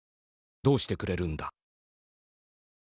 どうしてくれるんだ」。